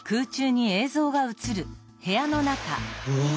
うわ！